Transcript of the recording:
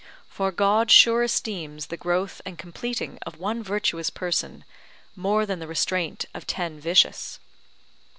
For God sure esteems the growth and completing of one virtuous person more than the restraint of ten vicious.